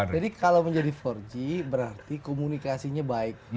jadi kalau menjadi empat g berarti komunikasinya baik